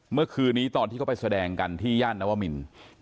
เมื่อคืนนี้ตอนที่เขาไปแสดงกันที่ย่านนวมิน